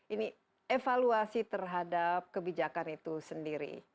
ini evaluasi terhadap kebijakan itu sendiri